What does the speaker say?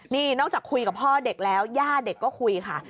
นี่นอกจากคุยกับพ่อเด็กแล้วย่าเด็กก็คุยค่ะ